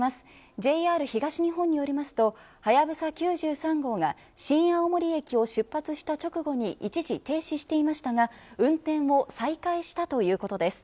ＪＲ東日本によりますとはやぶさ９３号が新青森駅を出発した直後に一時停止していましたが運転を再開したということです。